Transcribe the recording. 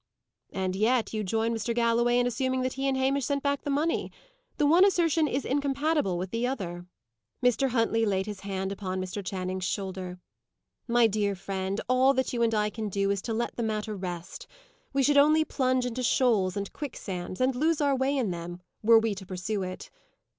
"And yet you join Mr. Galloway in assuming that he and Hamish sent back the money! The one assertion is incompatible with the other." Mr. Huntley laid his hand upon Mr. Channing's shoulder. "My dear friend, all that you and I can do, is to let the matter rest. We should only plunge into shoals and quicksands, and lose our way in them, were we to pursue it."